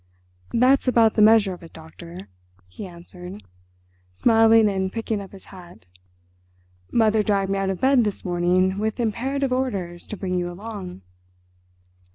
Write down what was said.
"That's about the measure of it, Doctor," he answered, smiling and picking up his hat. "Mother dragged me out of bed this morning with imperative orders to bring you along."